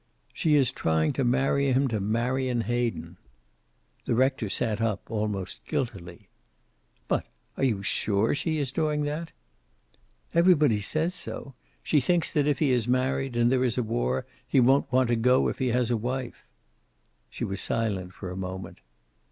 "She is trying to marry him to Marion Hayden." The rector sat up, almost guiltily. "But are you sure she is doing that?" "Everybody says so. She thinks that if he is married, and there is a war, he won't want to go if he has a wife." She was silent for a moment.